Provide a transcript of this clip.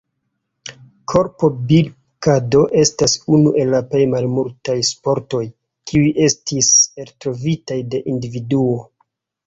Korbopilkado estas unu el la malmultaj sportoj, kiuj estis eltrovitaj de individuo.